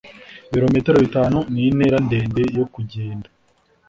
Ibirometero bitanu ni intera ndende yo kugenda.